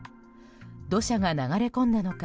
土砂が流れ込んだのか